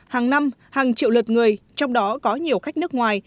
hàng năm hàng triệu lượt người trong đó có nhiều khách nước ngoài